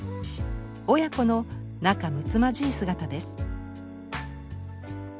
親子の仲むつまじい姿です。